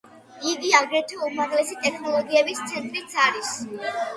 იგი აგრეთვე უმაღლესი ტექნოლოგიების ცენტრიც არის.